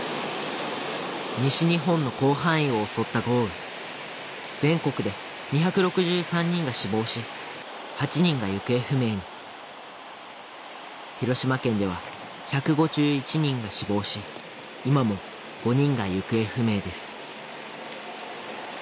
西日本の広範囲を襲った豪雨全国で２６３人が死亡し８人が行方不明に広島県では１５１人が死亡し今も５人が行方不明です